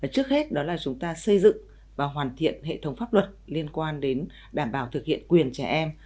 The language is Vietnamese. trước hết đó là chúng ta xây dựng và hoàn thiện hệ thống pháp luật liên quan đến đảm bảo thực hiện quyền trẻ em